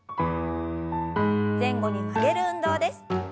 前後に曲げる運動です。